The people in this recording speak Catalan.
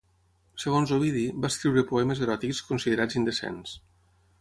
Segons Ovidi, va escriure poemes eròtics considerats indecents.